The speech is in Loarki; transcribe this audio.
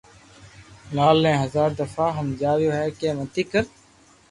لال ني ھزار دفہ ھمجاويو ھي ڪي متي ڪر